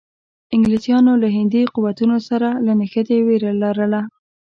انګلیسانو له هندي قوتونو سره له نښتې وېره لرله.